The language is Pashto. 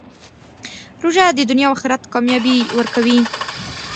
روژه د دنیا او آخرت کامیابي ورکوي.